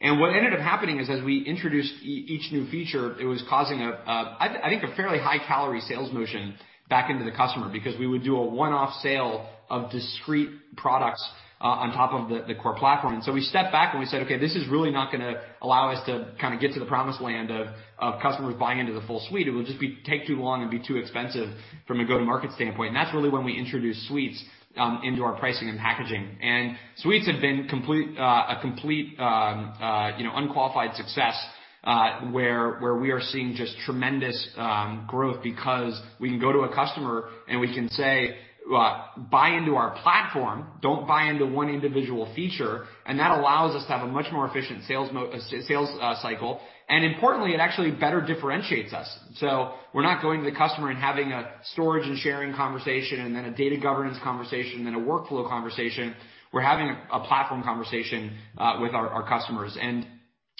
[SPEAKER 2] What ended up happening is as we introduced each new feature, it was causing, I think, a fairly high-calorie sales motion back into the customer because we would do a one-off sale of discrete products on top of the core platform. We stepped back and we said, "Okay, this is really not going to allow us to kind of get to the promised land of customers buying into the full Suite. It would just take too long and be too expensive from a go-to-market standpoint." That's really when we introduced Suites into our pricing and packaging. Suites have been a complete, you know, unqualified success, where we are seeing just tremendous growth because we can go to a customer and we can say, "Buy into our platform, don't buy into one individual feature," and that allows us to have a much more efficient sales cycle. Importantly, it actually better differentiates us. We're not going to the customer and having a storage and sharing conversation, and then a data governance conversation, and then a workflow conversation. We're having a platform conversation with our customers.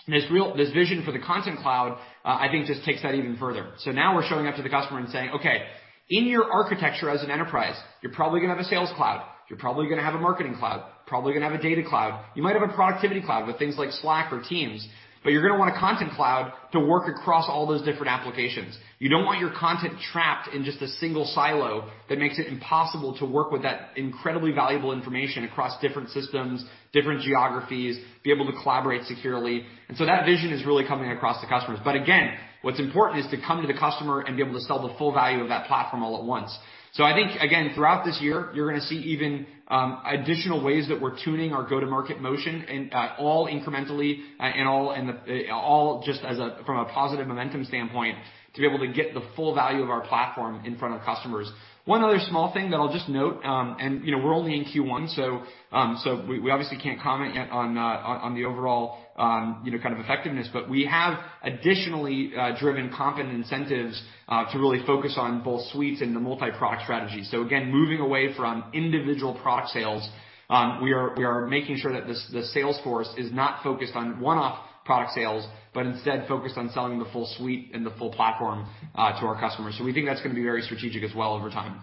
[SPEAKER 2] This vision for the Content Cloud, I think just takes that even further. Now, we're showing up to the customer and saying, "Okay, in your architecture as an enterprise, you're probably going to have a sales cloud, you're probably going to have a marketing cloud, probably going to have a data cloud. You might have a productivity cloud with things like Slack or Teams, but you're going to want a Content Cloud to work across all those different applications. You don't want your content trapped in just a single silo that makes it impossible to work with that incredibly valuable information across different systems, different geographies, be able to collaborate securely." That vision is really coming across to customers. Again, what's important is to come to the customer and be able to sell the full value of that platform all at once. I think, again, throughout this year, you're going to see even additional ways that we're tuning our go-to-market motion and all incrementally and all just from a positive momentum standpoint, to be able to get the full value of our platform in front of customers. One other small thing that I'll just note, and we're only in Q1, so we obviously can't comment yet on the overall kind of effectiveness, but we have additionally driven comp and incentives, to really focus on both Box Suites and the multi-product strategy. Again, moving away from individual product sales, we are making sure that the sales force is not focused on one-off product sales, but instead focused on selling the full suite and the full platform to our customers. We think that's going to be very strategic as well over time.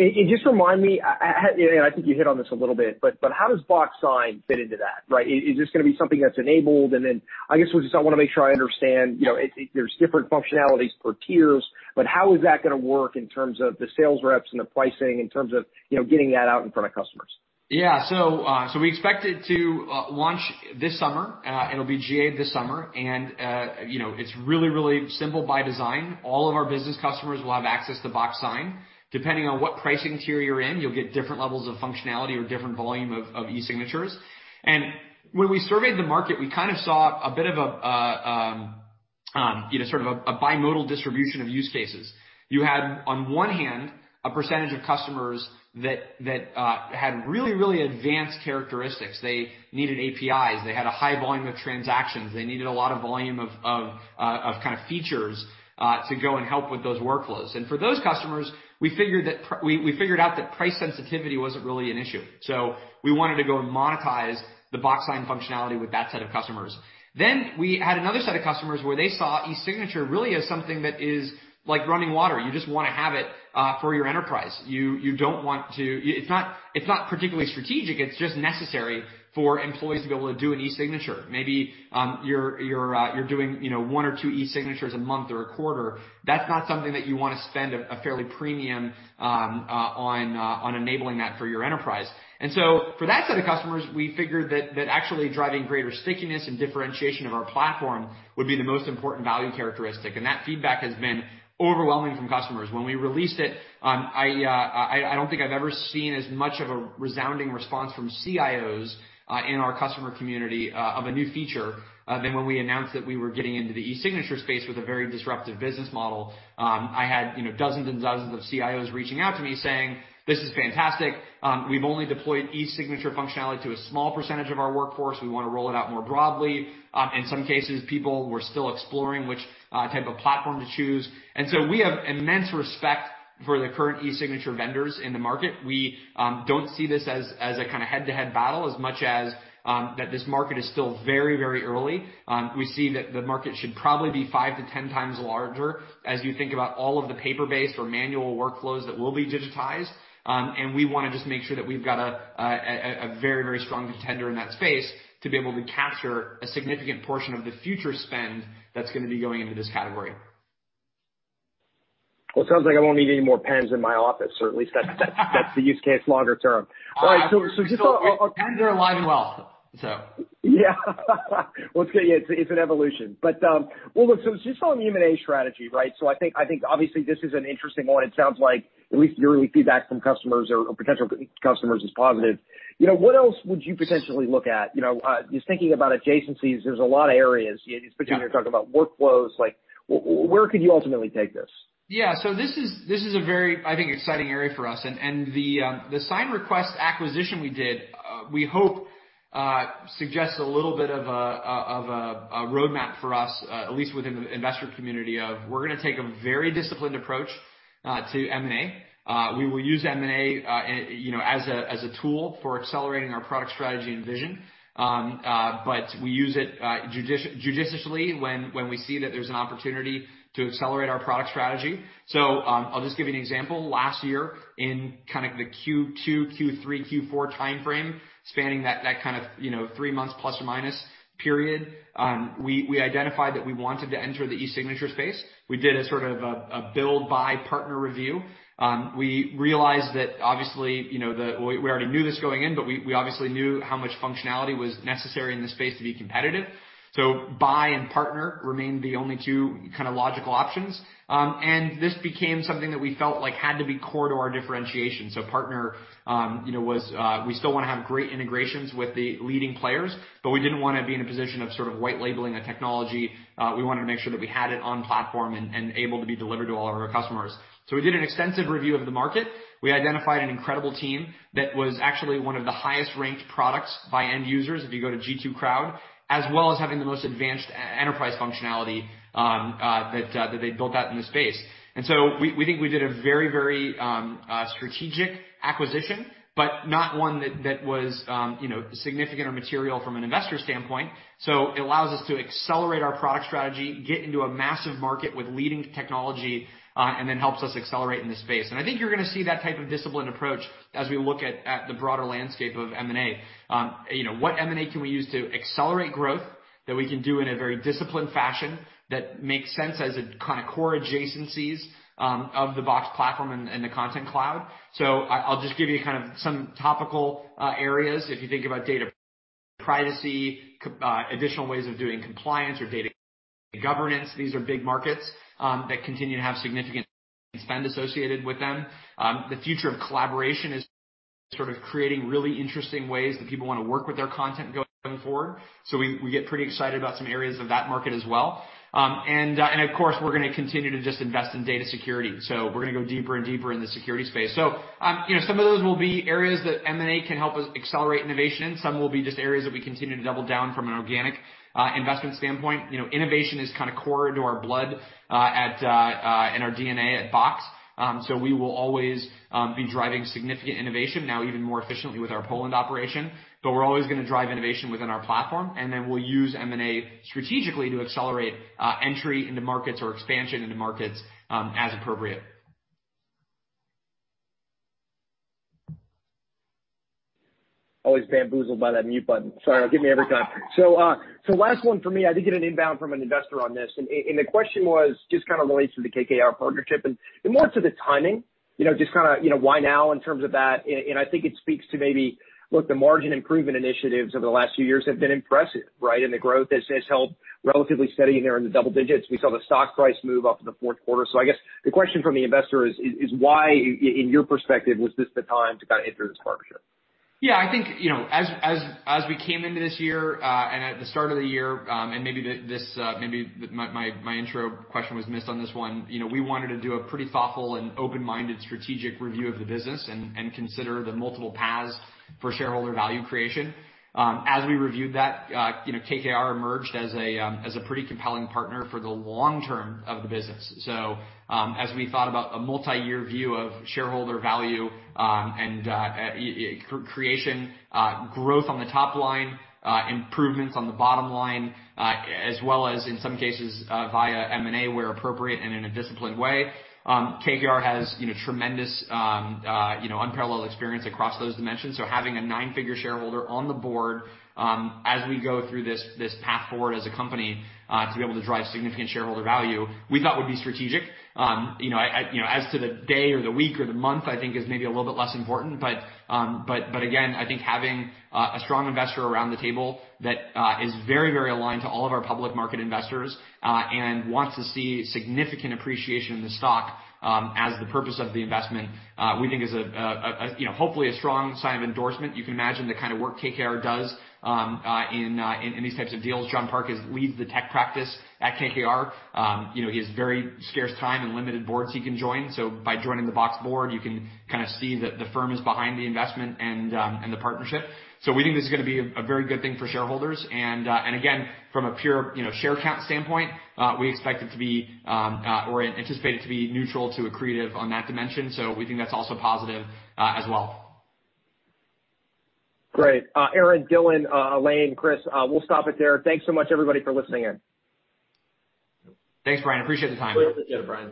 [SPEAKER 1] Just remind me, I think you hit on this a little bit, but how does Box Sign fit into that, right? Is this going to be something that's enabled? Then, I guess what I want to make sure I understand, there's different functionalities per tiers, but how is that going to work in terms of the sales reps and the pricing in terms of getting that out in front of customers?
[SPEAKER 2] Yeah. We expect it to launch this summer. It'll be GA'd this summer. It's really simple by design. All of our business customers will have access to Box Sign. Depending on what pricing tier you're in, you'll get different levels of functionality or different volume of e-signatures. When we surveyed the market, we kind of saw a sort of a bimodal distribution of use cases. You had, on one hand, a percentage of customers that had really advanced characteristics. They needed APIs, they had a high volume of transactions. They needed a lot of volume of kind of features, to go and help with those workflows. For those customers, we figured out that price sensitivity wasn't really an issue. We wanted to go and monetize the Box Sign functionality with that set of customers. Then, we had another set of customers where they saw e-signature really as something that is like running water. You just want to have it for your enterprise. It's not particularly strategic, it's just necessary for employees to be able to do an e-signature. Maybe you're doing one or two e-signatures a month or a quarter. That's not something that you want to spend a fairly premium on enabling that for your enterprise. For that set of customers, we figured that actually driving greater stickiness and differentiation of our platform would be the most important value characteristic, and that feedback has been overwhelming from customers. When we released it, I don't think I've ever seen as much of a resounding response from CIOs in our customer community of a new feature than when we announced that we were getting into the e-signature space with a very disruptive business model. I had dozens and dozens of CIOs reaching out to me saying, "This is fantastic. We've only deployed e-signature functionality to a small percentage of our workforce. We want to roll it out more broadly." In some cases, people were still exploring which type of platform to choose. We have immense respect for the current e-signature vendors in the market. We don't see this as a kind of head-to-head battle as much as that this market is still very early. We see that the market should probably be five to 10 times larger as you think about all of the paper-based or manual workflows that will be digitized. We want to just make sure that we've got a very strong contender in that space to be able to capture a significant portion of the future spend that's going to be going into this category.
[SPEAKER 1] Well, it sounds like I won't need any more pens in my office, or at least that's the use case longer term. All right.
[SPEAKER 2] Box Sign are alive and well.
[SPEAKER 1] Yeah. Well, it's an evolution, but, well, look, so just on the M&A strategy, right? I think obviously this is an interesting one. It sounds like at least your early feedback from customers or potential customers is positive. What else would you potentially look at? Just thinking about adjacencies, there's a lot of areas, particularly you're talking about workflows, like where could you ultimately take this?
[SPEAKER 2] This is a very, I think, exciting area for us. The SignRequest acquisition we did, we hope suggests a little bit of a roadmap for us, at least within the investor community of, we're going to take a very disciplined approach to M&A. We will use M&A, you know, as a tool for accelerating our product strategy and vision, but we use it judiciously when we see that there's an opportunity to accelerate our product strategy. I'll just give you an example. Last year in kind of the Q2, Q3, Q4 timeframe, spanning that kind of, you know, three months plus or minus period, we identified that we wanted to enter the e-signature space. We did a sort of a build/buy/partner review. We realized that obviously, we already knew this going in, but we obviously knew how much functionality was necessary in this space to be competitive. Buy and partner remained the only two kind of logical options. This became something that we felt had to be core to our differentiation. Partner, we still want to have great integrations with the leading players, but we didn't want to be in a position of sort of white labeling a technology. We wanted to make sure that we had it on platform and able to be delivered to all of our customers. We did an extensive review of the market. We identified an incredible team that was actually one of the highest-ranked products by end users if you go to G2, as well as having the most advanced enterprise functionality that they'd built out in the space. We think we did a very strategic acquisition, but not one that was, you know, significant or material from an investor standpoint. It allows us to accelerate our product strategy, get into a massive market with leading technology, and then helps us accelerate in this space. I think you're going to see that type of disciplined approach as we look at the broader landscape of M&A. What M&A can we use to accelerate growth that we can do in a very disciplined fashion that makes sense as a kind of core adjacencies of the Box Platform and the Content Cloud? I'll just give you kind of some topical areas if you think about data privacy, additional ways of doing compliance or data governance. These are big markets that continue to have significant spend associated with them. The future of collaboration is sort of creating really interesting ways that people want to work with their content going forward. We get pretty excited about some areas of that market as well. Of course, we're going to continue to just invest in data security. We're going to go deeper and deeper in the security space. Some of those will be areas that M&A can help us accelerate innovation in. Some will be just areas that we continue to double down from an organic investment standpoint. You know, innovation is kind of core into our blood, in our DNA at Box. We will always be driving significant innovation, now even more efficiently with our Poland operation. We're always going to drive innovation within our platform, and then we'll use M&A strategically to accelerate entry into markets or expansion into markets, as appropriate.
[SPEAKER 1] Always bamboozled by that mute button. Sorry, it'll get me every time. Last one for me. I did get an inbound from an investor on this, and the question was just kind of relates to the KKR partnership and more to the timing. Just why now in terms of that? I think it speaks to maybe, look, the margin improvement initiatives over the last few years have been impressive, right? The growth has held relatively steady there in the double digits. We saw the stock price move up in the fourth quarter. I guess the question from the investor is why, in your perspective, was this the time to enter this partnership?
[SPEAKER 2] Yeah, I think, as we came into this year, and at the start of the year, and maybe my intro question was missed on this one, you know, we wanted to do a pretty thoughtful and open-minded strategic review of the business and consider the multiple paths for shareholder value creation. As we reviewed that, you know, KKR emerged as a pretty compelling partner for the long term of the business. As we thought about a multi-year view of shareholder value, and creation, growth on the top line, improvements on the bottom line, as well as in some cases, via M&A, where appropriate and in a disciplined way. KKR has, you know, tremendous, unparalleled experience across those dimensions. Having a nine-figure shareholder on the board, as we go through this path forward as a company, to be able to drive significant shareholder value, we thought would be strategic. As to the day or the week or the month, I think is maybe a little bit less important, but again, I think having a strong investor around the table that is very aligned to all of our public market investors, and wants to see significant appreciation in the stock, as the purpose of the investment, we think is hopefully a strong sign of endorsement. You can imagine the kind of work KKR does in these types of deals. John Park leads the tech practice at KKR. He has very scarce time and limited boards he can join. By joining the Box board, you can kind of see that the firm is behind the investment and the partnership. We think this is going to be a very good thing for shareholders. Again, from a pure share count standpoint, we expect it to be, or anticipate it to be neutral to accretive on that dimension. We think that's also positive as well.
[SPEAKER 1] Great. Aaron, Dylan, Elaine, Chris, we'll stop it there. Thanks so much, everybody, for listening in.
[SPEAKER 2] Thanks, Brian. Appreciate the time.
[SPEAKER 3] Yeah, Brian